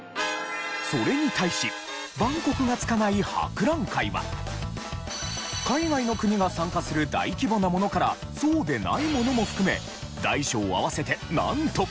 それに対し海外の国が参加する大規模なものからそうでないものも含め大小合わせてなんと。